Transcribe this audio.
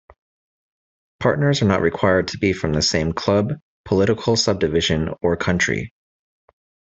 Partners are not required to be from the same club, political subdivision, or country.